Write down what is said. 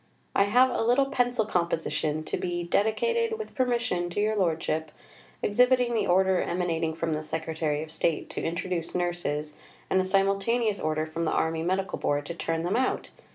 I have a little pencil composition, to be 'dedicated, with permission, to your Lordship,' exhibiting the order emanating from the Secretary of State to introduce nurses, and a simultaneous order from the Army Medical Board to turn them out.